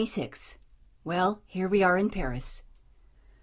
XXVI "WELL, HERE WE ARE IN PARIS!"